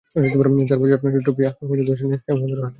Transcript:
চার বছরের ছোট্ট প্রিয়া আসমাও বসে নেই, সেও মাদুরে হাত লাগাচ্ছে।